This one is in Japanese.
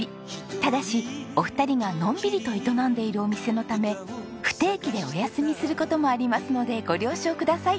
ただしお二人がのんびりと営んでいるお店のため不定期でお休みする事もありますのでご了承ください。